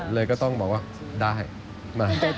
เลยก็ต้องบอกว่าได้บ้าพอแล้วก็บ้าพอ